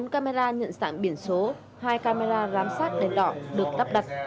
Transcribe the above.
bốn camera nhận dạng biển số hai camera giám sát đèn đỏ được lắp đặt